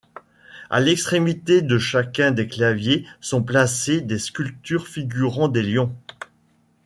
À l'extrémité de chacun des claviers sont placées des sculptures figurant des lions.